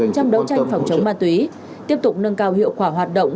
trong đấu tranh phòng chống ma túy tiếp tục nâng cao hiệu quả hoạt động